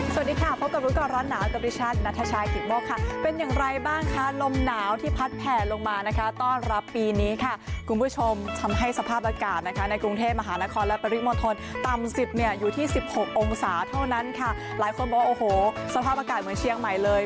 สวัสดีค่ะพบกับรู้ก่อนร้อนหนาวกับดิฉันนัทชายกิตโมกค่ะเป็นอย่างไรบ้างคะลมหนาวที่พัดแผ่ลงมานะคะต้อนรับปีนี้ค่ะคุณผู้ชมทำให้สภาพอากาศนะคะในกรุงเทพมหานครและปริมณฑลต่ำสิบเนี่ยอยู่ที่สิบหกองศาเท่านั้นค่ะหลายคนบอกโอ้โหสภาพอากาศเหมือนเชียงใหม่เลย